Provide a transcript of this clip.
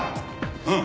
うん。